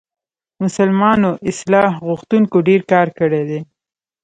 مسلمانو اصلاح غوښتونکو ډېر کار کړی دی.